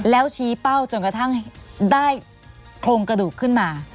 แล้วชี้เป้าจนกระทั่งได้โครงกระดูกขึ้นมา